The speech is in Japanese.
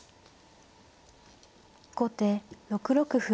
後手６六歩。